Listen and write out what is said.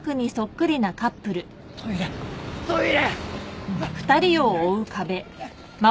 トイレトイレ！